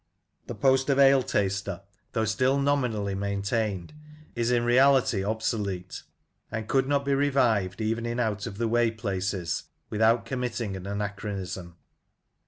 The post of ale taster, though still nominally maintained, is in reality obsolete, and could not be revived, even in out of the way places, without committing an anachronism.